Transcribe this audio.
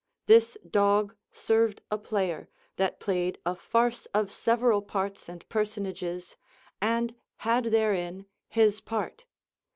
This dog served a player, that played a farce of several parts and personages, and had therein his part.